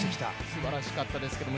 すばらしかったですけど。